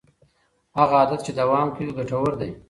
هغه عادت چې دوام کوي ګټور دی.